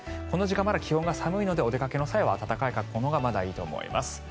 この時間、まだ気温が寒いのでお出かけの際は暖かい格好のほうがまだいいと思います。